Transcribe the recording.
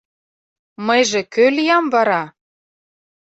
Мыйже кӧ лиям вара?